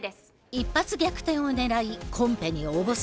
一発逆転を狙いコンペに応募する。